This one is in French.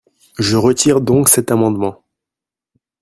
Je retire donc cet amendement.